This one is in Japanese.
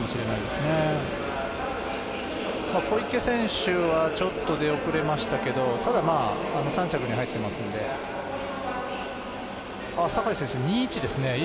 小池選手はちょっと出遅れましたけどただ３着に入ってますので、坂井選手いい位置ですね。